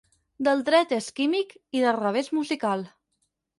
Del dret és químic i del revés musical.